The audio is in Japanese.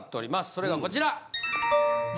それがこちら！